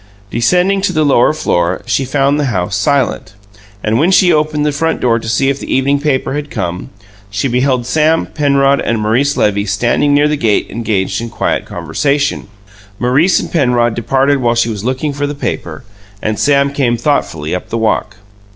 Descending to the lower floor, she found the house silent, and when she opened the front door to see if the evening paper had come, she beheld Sam, Penrod and Maurice Levy standing near the gate engaged in quiet conversation. Penrod and Maurice departed while she was looking for the paper, and Sam came thoughtfully up the walk.